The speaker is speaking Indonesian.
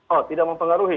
oh tidak mempengaruhi